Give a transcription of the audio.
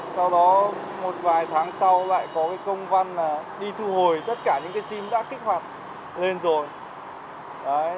sau đó một vài tháng sau lại có công văn đi thu hồi tất cả những sim đã kích hoạt lên rồi